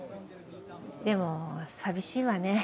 でも寂しいわね